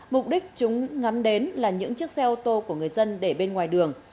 mục đích chúng ngắm đến là những chiếc xe ô tô của người dân để bên ngoài đường